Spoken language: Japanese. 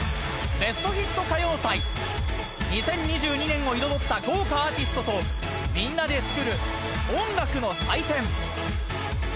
２０２２年を彩った豪華アーティストと、みんなで作る音楽の祭典。